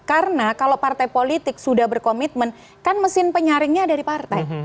karena kalau partai politik sudah berkomitmen kan mesin penyaringnya ada di partai